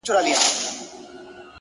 • چا نارې وهلې چا ورته ژړله ,